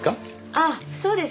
あっそうです。